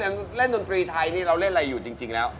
ยังเล่นดนตรีไทยที่เราเล่นอะไรอยู่จริงแล้ว